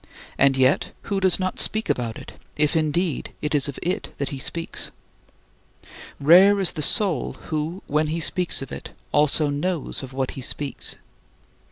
And yet who does not speak about it, if indeed it is of it that he speaks? Rare is the soul who, when he speaks of it, also knows of what he speaks.